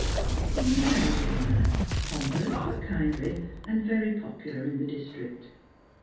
He was an elderly man, pompous but kindly, and very popular in the district.